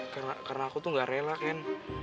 karena karena aku tuh gak rela ken